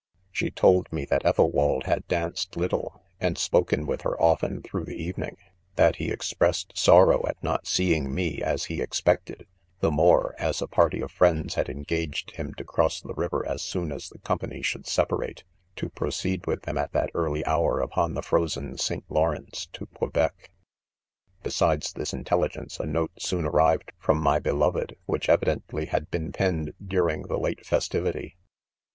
? She told me that Ethelwald had danced little, and spoken with her, often, through the evening \ that he expressed sorrow at not seeing me as he ex pected \ the more, as a party of friends had engaged him to cross the river as soon as the company should separate, to proceed with them at that early hour, upon the frozen St» Lawrence to Quebec. 4 Besides this intelligence, a note soon ar= rived from, my beloved, which evidently had been penned during the late festivity.